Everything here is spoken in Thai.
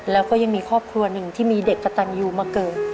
แล้วก็ยังมีครอบครัวหนึ่งที่มีเด็กกระตันยูมาเกิด